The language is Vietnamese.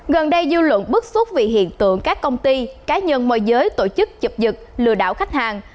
gần đây dư luận bức xúc vì hiện tượng các công ty cá nhân môi giới tổ chức chụp lừa đảo khách hàng